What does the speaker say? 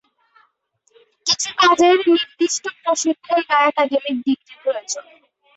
কিছু কাজের নির্দিষ্ট প্রশিক্ষণ বা একাডেমিক ডিগ্রি প্রয়োজন।